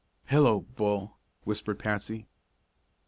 "Hello, Bull!" whispered Patsy.